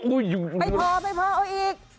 ไปพอเอาอีก